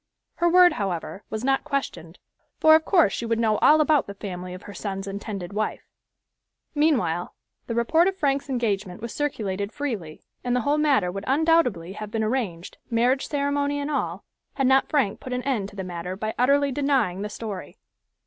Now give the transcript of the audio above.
Her word, however, was not questioned, for of course she would know all about the family of her son's intended wife. Meanwhile the report of Frank's engagement was circulated freely, and the whole matter would undoubtedly have been arranged, marriage ceremony and all, had not Frank put an end to the matter by utterly denying the story.